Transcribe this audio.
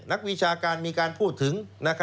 นักวิชาการมีการพูดถึง